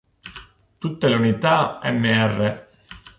Tutte le unità Mr.